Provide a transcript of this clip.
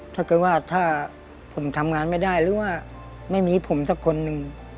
ถ้าเกิดว่าถ้าผมทำงานไม่ได้หรือว่าไม่มีผมสักคนหนึ่ง